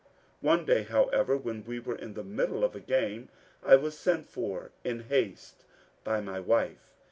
One day, however, when we were in the middle of a game I was sent for in haste by my wife.